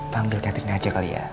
panggil catering aja kali ya